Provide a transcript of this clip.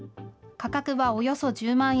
価格はおよそ１０万円。